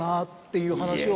いう話を。